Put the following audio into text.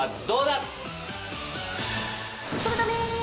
どうだ！？